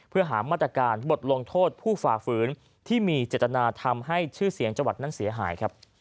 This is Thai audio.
เพื่อหามาตรการบทลงโทษผู้ฝ่าฝืนที่มีเจตนาทำให้ชื่อเสียงจังหวัดนั้นเสียหายครับ